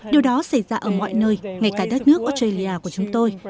điều đó xảy ra ở mọi nơi ngay cả đất nước australia của chúng tôi